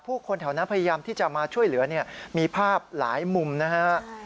คนแถวนั้นพยายามที่จะมาช่วยเหลือเนี่ยมีภาพหลายมุมนะฮะ